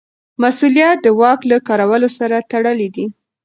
مسوولیت د واک له کارولو سره تړلی دی.